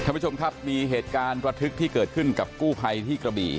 ท่านผู้ชมครับมีเหตุการณ์ระทึกที่เกิดขึ้นกับกู้ภัยที่กระบี่